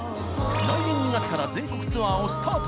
来年２月から全国ツアーをスタート